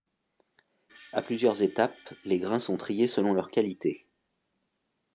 À plusieurs étapes, les grains sont triés selon leur qualité.